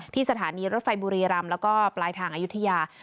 สถานีรถไฟบุรีรำแล้วก็ปลายทางอายุทยา